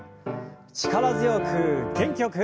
力強く元気よく。